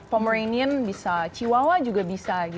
pomeranian bisa chihuahua juga bisa gitu